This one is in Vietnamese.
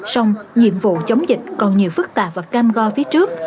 xong nhiệm vụ chống dịch còn nhiều phức tạp và cam go phía trước